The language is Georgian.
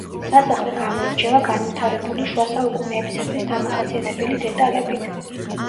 სასახლე გამოირჩევა განვითარებული შუა საუკუნეებისათვის დამახასიათებელი დეტალებით.